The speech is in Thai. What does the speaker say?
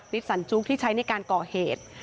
นิดสรรจุที่ใช้ในการก่อเหตุ